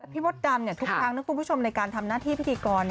มดดำทุกครั้งนะคุณผู้ชมในการทำหน้าที่พิธีกร